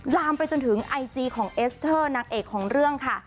ลามไปจนถึงไอจีของเอสเตอร์นางเอกของเรื่องค่ะ